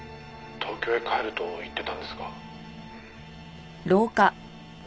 「東京へ帰ると言ってたんですが」